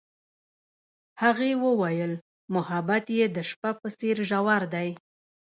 هغې وویل محبت یې د شپه په څېر ژور دی.